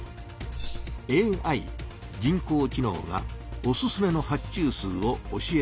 ＡＩ人工知能がおすすめの発注数を教えてくれます。